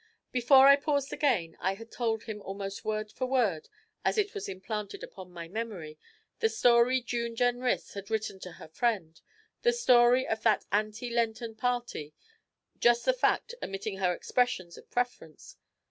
Before I paused again I had told him almost word for word, as it was implanted upon my memory, the story June Jenrys had written to her friend, the story of that ante Lenten party just the fact, omitting her expressions of preference.